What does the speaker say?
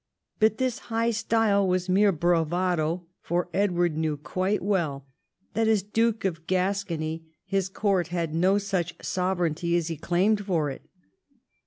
But this high style was mere bravado, for Edward knew quite well that as Duke of Gascony his court had no such sovereignty as he claimed for it.